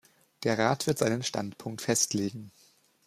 Der Rat wird seinen Standpunkt festlegen.